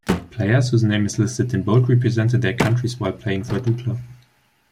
Players whose name is listed in bold represented their countries while playing for Dukla.